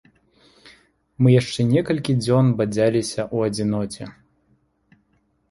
Мы яшчэ некалькi дзён бадзялiся ў адзiноце.